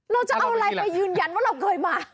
เราจะเอาอะไรมายืนยันว่าเราเคยมา